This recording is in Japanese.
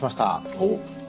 おっ。